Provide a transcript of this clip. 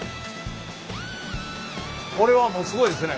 これはもうすごいですね。